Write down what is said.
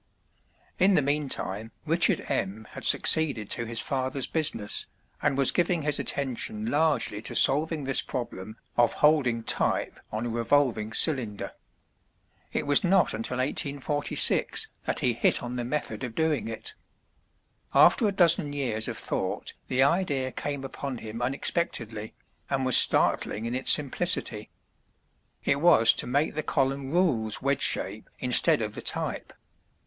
In the meantime Richard M. had succeeded to his father's business, and was giving his attention largely to solving this problem of holding type on a revolving cylinder. It was not until 1846 that he hit on the method of doing it. After a dozen years of thought the idea came upon him unexpectedly, and was startling in its simplicity. It was to make the column rules wedge shape instead of the type.